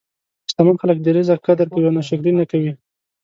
شتمن خلک د رزق قدر کوي او ناشکري نه کوي.